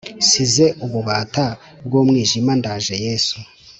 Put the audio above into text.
Nsize ububata bw’umwijima ndaje yesu